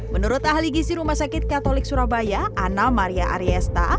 menurut ahli gisi rumah sakit katolik surabaya ana maria ariesta